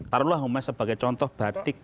taruhlah sebagai contoh batik